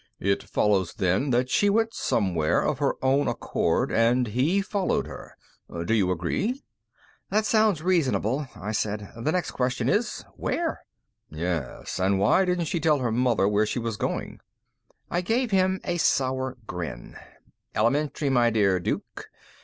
"It follows, then, that she went somewhere of her own accord and he followed her. D'you agree?" "That sounds most reasonable," I said. "The next question is: Where?" "Yes. And why didn't she tell her mother where she was going?" I gave him a sour grin. "Elementary, my dear Duke.